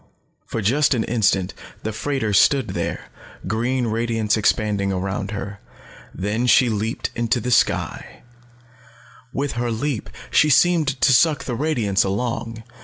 For just an instant the freighter stood there, green radiance expanding around her. Then she leaped into the sky. With her leap, she seemed to suck the radiance along.